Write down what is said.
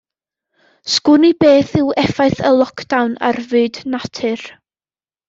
'Sgwn i beth yw effaith y lockdown ar fyd natur?